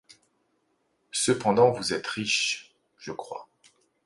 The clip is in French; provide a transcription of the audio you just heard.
Cependant vous êtes riche, je crois ?